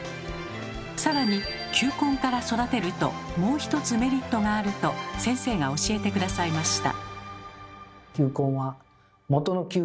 さらに球根から育てるともう一つメリットがあると先生が教えて下さいました。